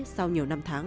sau nhiều năm tháng